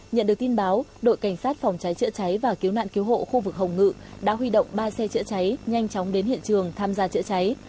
nhận được tin báo đội cảnh sát phòng cháy chữa cháy và cứu nạn cứu hộ khu vực hồng ngự đã huy động ba xe chữa cháy nhanh chóng đến hiện trường tham gia chữa cháy